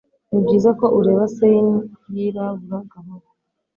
Nibyiza ko ureba Seine yirabura gahoro